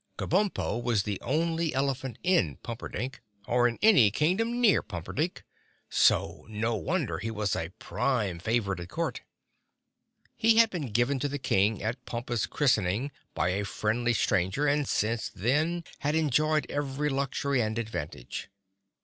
Kabumpo was the only elephant in Pumperdink, or in any Kingdom near Pumperdink, so no wonder he was a prime favorite at Court. He had been given to the King at Pompa's christening by a friendly stranger and since then had enjoyed every luxury and advantage.